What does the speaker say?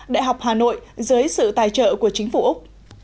đại học hà nội dưới sự tài trợ của chính phủ úc